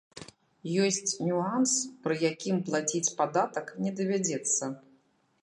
Ёсць нюанс, пры якім плаціць падатак не давядзецца.